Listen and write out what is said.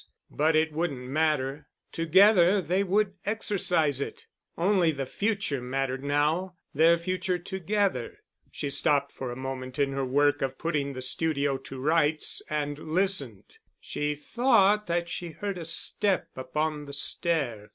But it wouldn't matter. Together they would exorcise it. Only the future mattered now—their future together. She stopped for a moment in her work of putting the studio to rights and listened. She thought that she heard a step upon the stair.